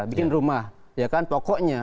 bikin rumah ya kan pokoknya